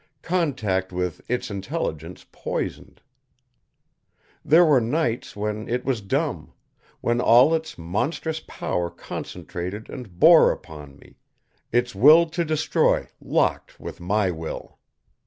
Contact with Its intelligence poisoned. There were nights when It was dumb, when all Its monstrous power concentrated and bore upon me, Its will to destroy locked with my will.